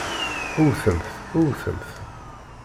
Wwtemt! Wwtemt!